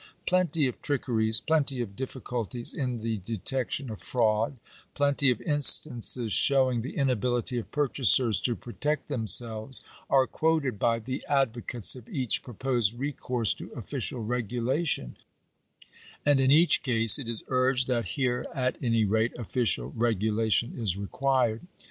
Plenty of trickeries, plenty of difficulties in the detection of fraud, plenty of instances showing the inability of purchasers to protect themselves, are quoted by the advocates of each proposed recourse to official regulation ; and in each case it is urged that here, at any rate, official regulation is required.